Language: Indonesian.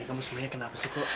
kamu sebenarnya kenapa sih kok